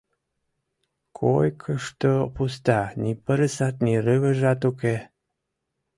Койкышто пуста — ни пырысат, ни рывыжат уке.